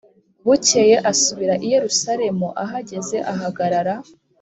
Bukeye asubira i yerusalemu ahageze ahagarara